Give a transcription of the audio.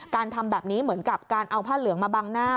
ทำแบบนี้เหมือนกับการเอาผ้าเหลืองมาบังหน้า